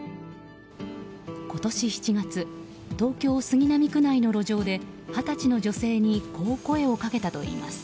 今年７月東京・杉並区内の路上で二十歳の女性にこう声をかけたといいます。